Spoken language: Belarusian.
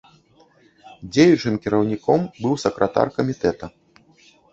Дзеючым кіраўніком быў сакратар камітэта.